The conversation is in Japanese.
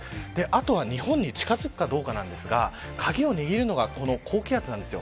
あとは、日本に近づくかどうかですが、鍵を握るのは高気圧です。